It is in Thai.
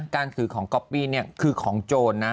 การถือของก๊อปปี้เนี่ยคือของโจรนะ